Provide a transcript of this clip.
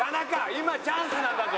今チャンスなんだぞ！